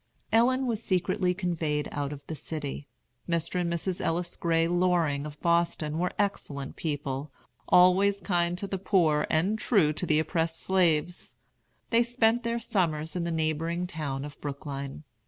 Ellen was secretly conveyed out of the city. Mr. and Mrs. Ellis Gray Loring of Boston were excellent people, always kind to the poor and true friends to the oppressed slaves. They spent their summers in the neighboring town of Brookline.